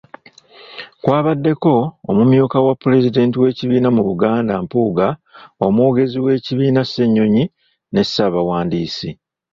Kwabaddeko, omumyuka wa Pulezidenti w’ekibiina mu Buganda Mpuuga, Omwogezi w’ekibiina Ssenyonyi ne Ssaabawandiisi.